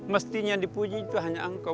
mestinya yang dipuji itu hanya engkau